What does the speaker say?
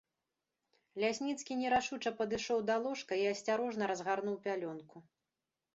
Лясніцкі нерашуча падышоў да ложка і асцярожна разгарнуў пялёнку.